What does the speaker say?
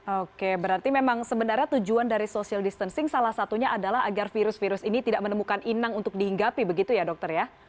oke berarti memang sebenarnya tujuan dari social distancing salah satunya adalah agar virus virus ini tidak menemukan inang untuk dihinggapi begitu ya dokter ya